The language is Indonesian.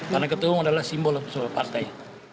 karena ketua umum adalah simbol sebuah partai